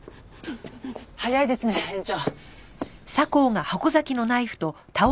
早いですね園長。